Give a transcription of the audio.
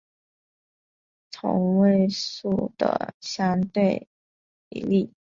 氙同位素的相对比例对研究太阳系早期历史有重要的作用。